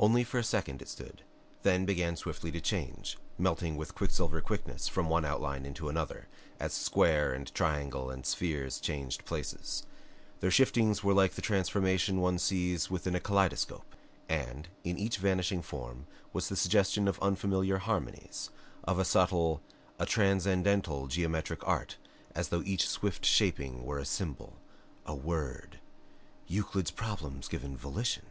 Only for a second it stood, then began swiftly to change, melting with quicksilver quickness from one outline into another as square and triangle and spheres changed places. Their shiftings were like the transformations one sees within a kaleidoscope. And in each vanishing form was the suggestion of unfamiliar harmonies, of a subtle, a transcendental geometric art as though each swift shaping were a symbol, a WORD Euclid's problems given volition!